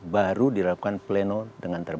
baru dilakukan pleno dengan terbuka